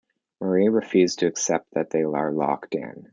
Marnie refuses to accept they are locked in.